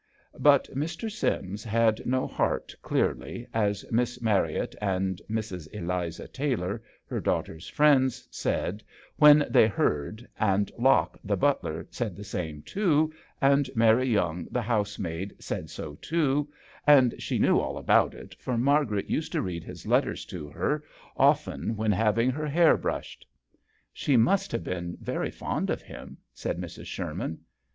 But Mr. Sims had no heart clearly, as Miss Marriot and Mrs. Eliza Taylor, her daughter's friends, said, when they heard, and Lock, the butler, said the same too, and Mary Young, the house maid, said so too and she knew all about it, for Margaret used to read his letters to her often when having her hair brushed. JOHN SHERMAN. 53 "She must have been very fond of him/' said Mrs. Sherman.